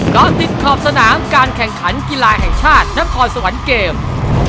ก็ติดขอบสนามการแข่งขันกีฬาแห่งชาตินครสวรรค์เกม